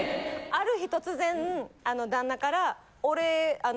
ある日突然旦那から。